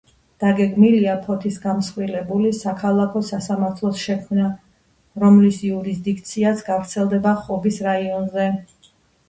დაგეგმილია ფოთის გამსხვილებული საქალაქო სასამართლოს შექმნა, რომლის იურისდიქციაც გავრცელდება ხობის რაიონზე.